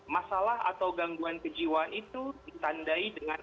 masalah atau gangguan ke jiwa itu ditandai dengan